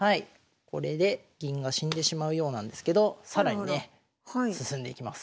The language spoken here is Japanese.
これで銀が死んでしまうようなんですけど更にね進んでいきます。